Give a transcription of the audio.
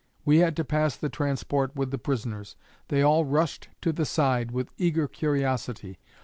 We had to pass the transport with the prisoners. They all rushed to the side with eager curiosity.